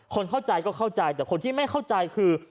คนเข้าใจก็เข้าใจแต่คนที่ไม่เข้าใจคือ